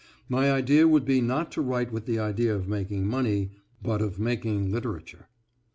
My idea would be not to write with the idea of making money, but of making literature.